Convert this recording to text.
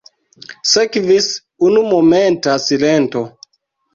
Sekvis unumomenta silento.